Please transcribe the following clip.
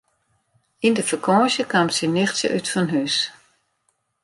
Yn de fakânsje kaam syn nichtsje útfanhûs.